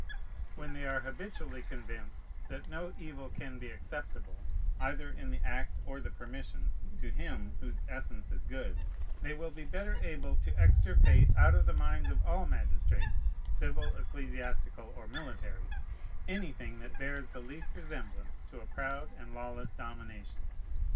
When they are habitually convinced that no evil can be acceptable, either in the act or the permission, to Him whose essence is good, they will be better able to extirpate out of the minds of all magistrates, civil, ecclesiastical, or military, anything that bears the least resemblance to a proud and lawless domination.